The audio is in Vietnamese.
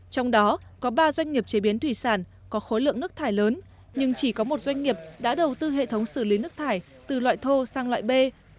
trong đó có ba doanh nghiệp chế biến thủy sản có khối lượng nước thải lớn nhưng chỉ có một doanh nghiệp đã đầu tư hệ thống xử lý nước thải từ loại thô sang loại b